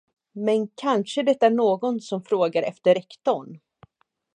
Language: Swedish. Men kanske det är någon som frågar efter rektorn.